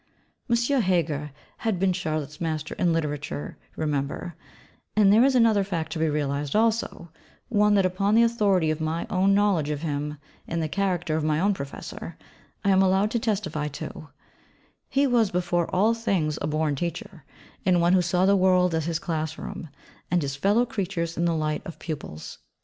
Monsieur Heger had been Charlotte's master in literature, remember: and there is another fact to be realised also, one that upon the authority of my own knowledge of him, in the character of my own Professor, I am allowed to testify to: _he was before all things a born teacher, and one who saw the world as his class room, and his fellow creatures in the light of pupils_.